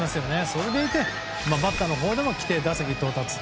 それでいて、バッターのほうでも規定打席到達。